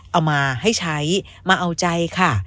เอามาให้ใช้มาเอาใจค่ะ